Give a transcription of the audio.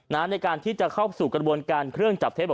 ในการที่จะเข้าสู่กระบวนการเครื่องจับเท็จ